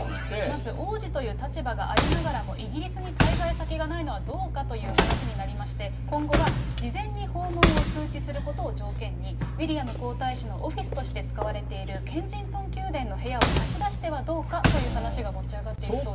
まず王子という立場がありながらもイギリスに滞在先がないのはどうかという話になりまして、今後は事前に訪問を通知することを条件に、ウィリアム皇太子のオフィスとして使われているケンジントン宮殿の部屋を貸し出してはどうかという話が持ち上がっているそうです。